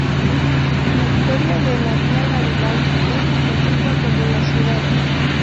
La historia de la Via Garibaldi es tan antigua como la ciudad.